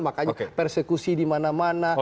makanya persekusi di mana mana